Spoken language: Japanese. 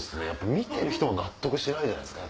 見てる人も納得しないじゃないですか。